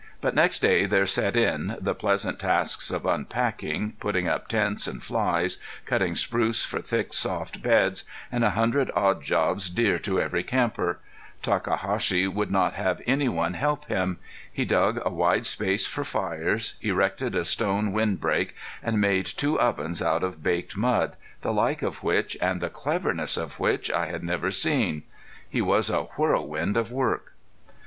But next day there set in the pleasant tasks of unpacking, putting up tents and flies, cutting spruce for thick, soft beds, and a hundred odd jobs dear to every camper. Takahashi would not have any one help him. He dug a wide space for fires, erected a stone windbreak, and made two ovens out of baked mud, the like of which, and the cleverness of which I had never seen. He was a whirlwind for work.